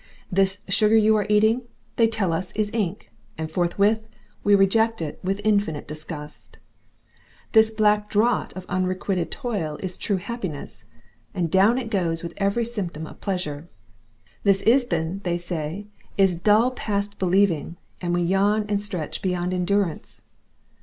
This sugar you are eating, they tell us, is ink, and forthwith we reject it with infinite disgust. This black draught of unrequited toil is True Happiness, and down it goes with every symptom of pleasure. This Ibsen, they say, is dull past believing, and we yawn and stretch beyond endurance.